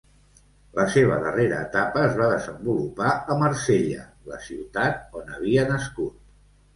La seva darrera etapa es va desenvolupar a Marsella, la ciutat on havia nascut.